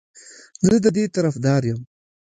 زه د دې طرفدار یم